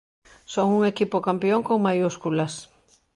Son un equipo campión con maiúsculas.